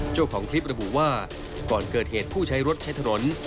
เจ้าของคลิประบุว่าก่อนเกิดเหตุผู้ใช้รถใช้ถนน